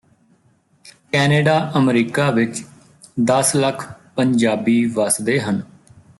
Canada America ਵਿਚ ਦਸ ਲੱਖ ਪੰਜਾਬੀ ਵਸਦੇ ਹਨ